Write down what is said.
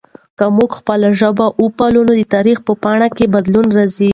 که موږ خپله ژبه وپالو نو د تاریخ په پاڼو کې بدلون راځي.